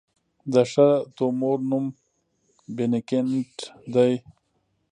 د ښه تومور نوم بېنیګنټ دی.